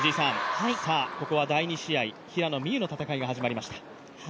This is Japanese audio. ここは第２試合、平野美宇の戦いが始まりました。